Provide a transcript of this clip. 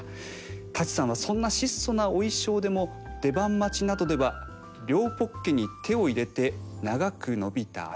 舘さんはそんな質素なお衣装でも出番待ちなどでは両ポッケに手を入れて長く伸びた脚。